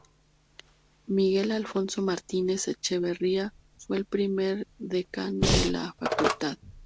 Miguel Alfonso Martínez-Echevarría fue el primer decano de la Facultad.